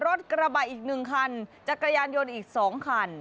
รถกระบะอีก๑คันจักรยานยนต์อีก๒คัน